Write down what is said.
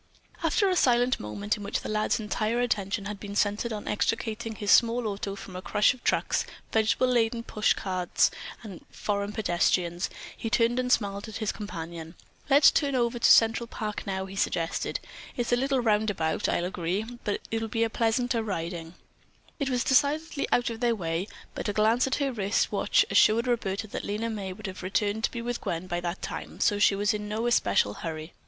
After a silent moment in which the lad's entire attention had been centered on extricating his small auto from a crush of trucks, vegetable laden push carts and foreign pedestrians, he turned and smiled at his companion. "Let's turn over to Central Park now," he suggested. "It's a little round about, I'll agree, but it will be pleasanter riding." It was decidedly out of their way, but a glance at her wrist watch assured Roberta that Lena May would have returned to be with Gwen by that time, and so she was in no especial hurry.